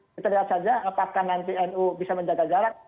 kita lihat saja apakah nanti nu bisa menjaga jarak